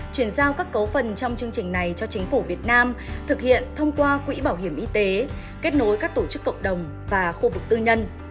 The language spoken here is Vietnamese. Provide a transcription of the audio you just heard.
chuyển giao các cấu phần trong chương trình này cho chính phủ việt nam thực hiện thông qua quỹ bảo hiểm y tế kết nối các tổ chức cộng đồng và khu vực tư nhân